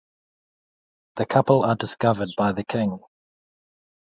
The couple are discovered by the king.